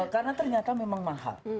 karena ternyata memang mahal